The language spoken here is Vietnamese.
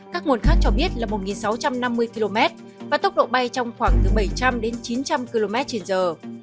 các nguồn khác cho biết là một sáu trăm năm mươi km và tốc độ bay trong khoảng từ bảy trăm linh đến chín trăm linh km trên giờ